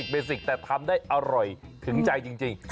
เบสิกแต่ทำได้อร่อยถึงใจจริง